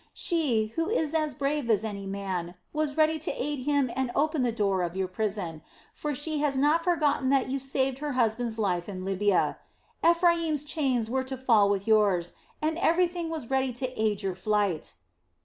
She, who is as brave as any man, was ready to aid him and open the door of your prison; for she has not forgotten that you saved her husband's life in Libya. Ephraim's chains were to fall with yours, and everything was ready to aid your flight."